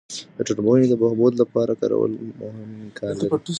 د ټولني د بهبود لپاره کارول هم امکان لري.